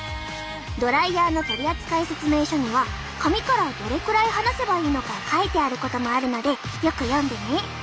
ドライヤーの取り扱い説明書には髪からどれくらい離せばいいのか書いてあることもあるのでよく読んでね！